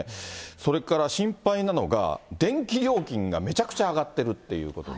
それから心配なのが、電気料金がめちゃくちゃ上がってるってことで。